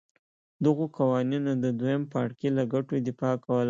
دغو قوانینو د دویم پاړکي له ګټو دفاع کوله.